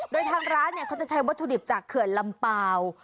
โดยทางร้านเขาจะใช้วัตถุดิบจากเขื่อนลำเปล่า